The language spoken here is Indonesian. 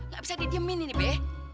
gak bisa didiemin ini be